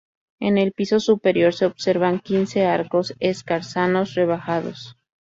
En el piso superior se observan quince arcos escarzanos rebajados.